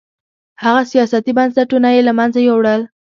هغه سیاسي بنسټونه یې له منځه یووړل